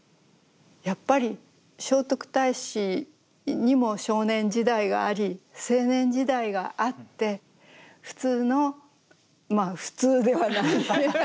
やっぱり聖徳太子にも少年時代があり青年時代があって普通のまあ普通ではない。